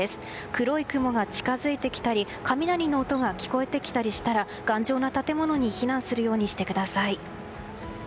黒い雲が近づいてきたり雷の音が聞こえてきたりしたら頑丈な建物に避難するようにしてください。